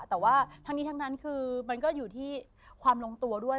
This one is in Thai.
แต่ว่าทั้งนี้ทั้งนั้นคือมันก็อยู่ที่ความลงตัวด้วย